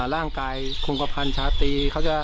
ร่างกายคงกระพันธ์ชาติ